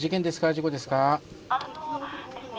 事故ですか？